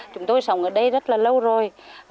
chúng tôi sống ở đây rất là lâu rồi